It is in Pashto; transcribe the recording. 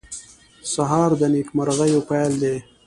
سهار د نیکمرغیو پېل دی.